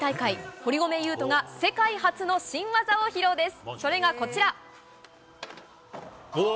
堀米雄斗が世界初の新技を披露です。